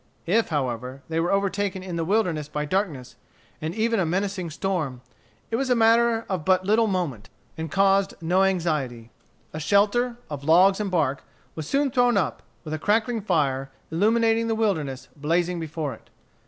If, however, they were overtaken in the wilderness by darkness, and even a menacing storm, it was a matter of but little moment, and caused no anxiety. A shelter, of logs and bark, was soon thrown up, with a crackling fire, illuminating the wilderness, blazing before it.